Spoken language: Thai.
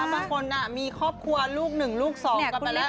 บางคนมีครอบครัวลูกหนึ่งลูกสองกันไปแล้ว